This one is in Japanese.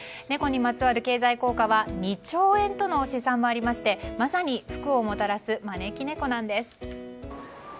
猫にまつわる経済効果は２兆円との試算もありましてまさに福をもたらす招き猫なんです。